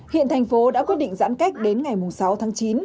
hiện thành phố đã quyết định giãn cách đến ngày sáu tháng chín